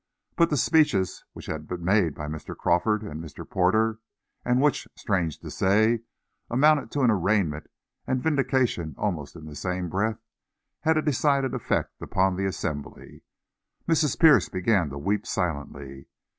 But the speeches which had been made by Mr. Crawford and Mr. Porter, and which, strange to say, amounted to an arraignment and a vindication almost in the same breath, had a decided effect upon the assembly. Mrs. Pierce began to weep silently.